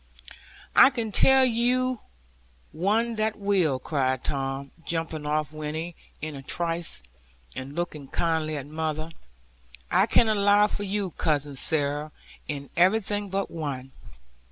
'I can tell you one that will,' cried Tom, jumping off Winnie, in a trice, and looking kindly at mother; 'I can allow for you, Cousin Sarah, in everything but one.